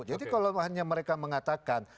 jadi kalau hanya mereka mengatakan